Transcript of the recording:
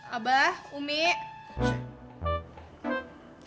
abah sama umi adek apa ya